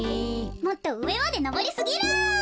もっとうえまでのぼりすぎる。